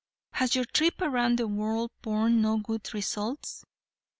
Has your trip around the world borne no good results?